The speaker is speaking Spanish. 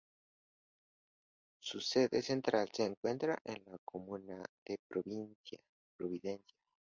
Su sede central se encuentra en la comuna de Providencia.